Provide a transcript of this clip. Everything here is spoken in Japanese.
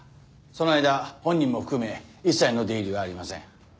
その間本人も含め一切の出入りはありません。